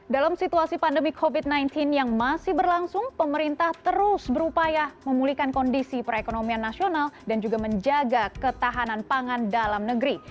dalam situasi pandemi covid sembilan belas yang masih berlangsung pemerintah terus berupaya memulihkan kondisi perekonomian nasional dan juga menjaga ketahanan pangan dalam negeri